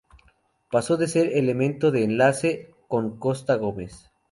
Pasó a ser el elemento de enlace con Costa Gomes.